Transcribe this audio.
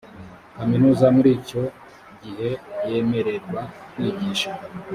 kaminuza muri icyo gihe yemererwa kwigisha